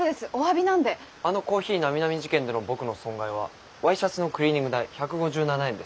あのコーヒーなみなみ事件での僕の損害はワイシャツのクリーニング代１５７円です。